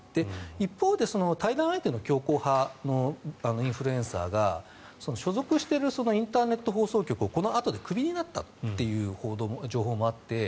一方で、対談相手の強硬派のインフルエンサーが所属しているインターネット放送局をこのあとでクビになったという情報もあって。